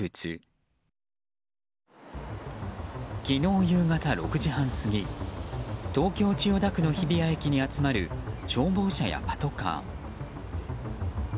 昨日夕方６時半過ぎ東京・千代田区の日比谷駅に集まる消防車やパトカー。